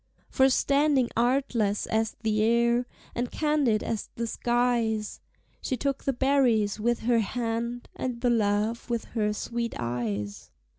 For standing artless as the air, And candid as the skies, She took the berries with her hand, And the love with her sweet eyes.